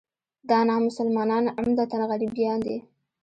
دا نامسلمانان عمدتاً غربیان دي.